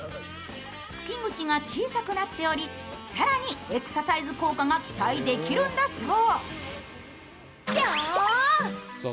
吹き口が小さくなっており、更にエクササイズ効果が期待できるんだそう。